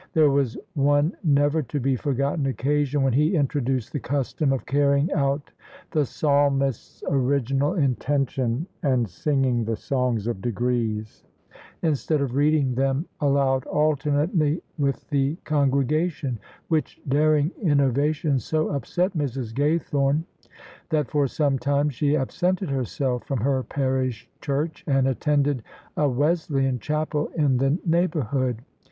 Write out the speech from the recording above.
There was one never to be forgotten occasion when he introduced the custom of carrying out the Psalmist's original intention and singing die songs of degrees, instead of reading them *" aloud alternately with die congregation: which daring inno vation so upset Mrs. Gaythome that for some time she absented herself from her parish church and attended a Wesleyan chapel in the neighbourhood.